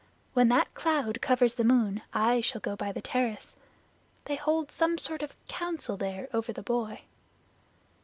When that cloud covers the moon I shall go to the terrace. They hold some sort of council there over the boy."